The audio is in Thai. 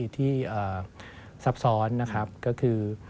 ซับซ้อนนะครับก็คือ